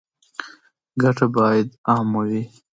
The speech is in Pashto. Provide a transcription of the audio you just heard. ګټه باید عامه وي